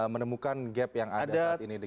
menemukan gap yang ada saat ini